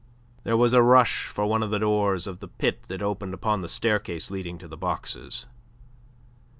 There was a rush for one of the doors of the pit that opened upon the staircase leading to the boxes.